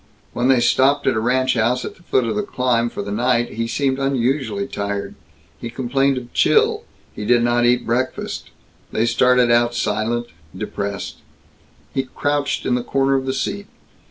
When they stopped at a ranch house at the foot of the climb, for the night, he seemed unusually tired. He complained of chill. He did not eat breakfast. They started out silent, depressed. He crouched in the corner of the seat.